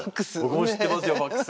僕も知ってますよファックス。